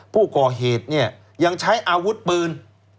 ผู้ก่อเหตุยังใช้อาวุธปืน